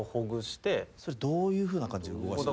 それどういうふうな感じで動かしてるんですか？